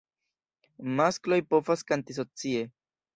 Maskloj povas kanti socie.